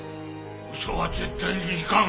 嘘は絶対にいかん。